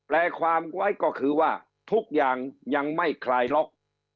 ความไว้ก็คือว่าทุกอย่างยังไม่คลายล็อก